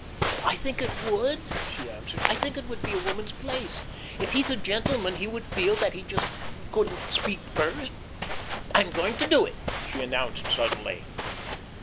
"I think it would," she answered. "I think it would be a woman's place. If he's a gentleman, he would feel that he just couldn't speak first. I'm going to do it," she announced suddenly.